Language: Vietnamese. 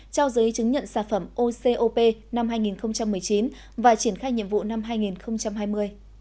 trao giấy chứng nhận sản phẩm ocop năm hai nghìn một mươi chín và triển khai nhiệm vụ năm hai nghìn hai mươi